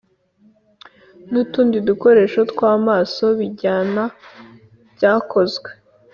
N utundi dukoresho tw amaso bijyana byakozwe